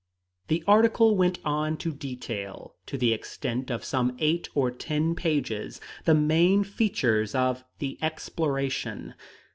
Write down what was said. The article went on to detail, to the extent of some eight or ten pages, the main features of the exploration.